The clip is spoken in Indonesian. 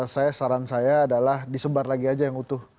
saya saran saya adalah disebar lagi aja yang utuh